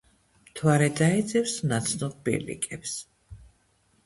მთვარე დაეძებს ნაცნობ ბილიკებს.